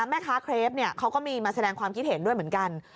เมล์ค้าเครฟเนี่ยเขาก็มีสแดงความคิดเหตุด้วยเหมือนกัน